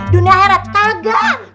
dunia heret kagak